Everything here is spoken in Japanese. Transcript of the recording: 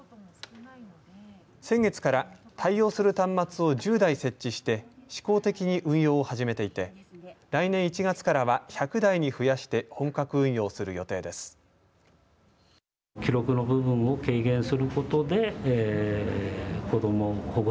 先月から、対応する端末を１０台設置して試行的に運用を始めていて来年１月からは１００台に増やして本格運用する予定です。